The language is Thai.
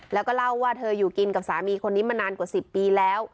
แล้วก็เล่าว่าเธออยู่กินกับสามีคนนี้มานานกว่า๑๐ปีแล้ว